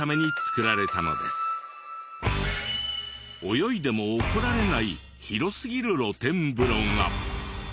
泳いでも怒られない広すぎる露天風呂が。